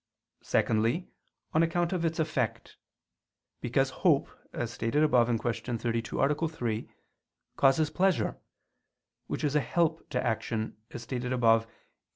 Secondly, on account of its effect. Because hope, as stated above (Q. 32, A. 3), causes pleasure; which is a help to action, as stated above (Q.